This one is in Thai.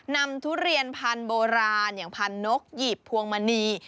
ทุเรียนพันธุ์โบราณอย่างพันธุ์นกหยิบพวงมณี